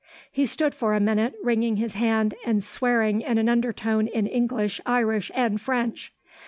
He stood for a minute, wringing his hand, and swearing in an undertone in English, Irish, and French.